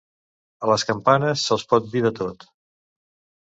A les campanes se'ls pot dir de tot.